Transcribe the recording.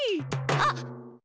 あっ。